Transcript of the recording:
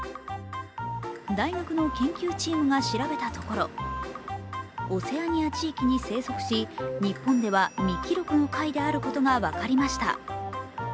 大学の研究チームが調べたところオセアニア地域に生息し日本では未記録の貝であることが分かりました。